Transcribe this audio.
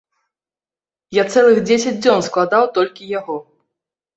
Я цэлых дзесяць дзён складаў толькі яго.